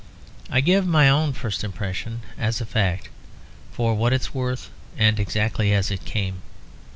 I give my own first impression as a fact, for what it is worth and exactly as it came.